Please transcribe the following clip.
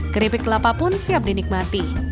keripik kelapa pun siap dinikmati